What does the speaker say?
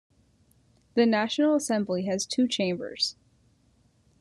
The National Assembly has two chambers.